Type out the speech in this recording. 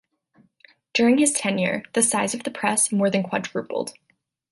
During his tenure, the size of the press more than quadrupled.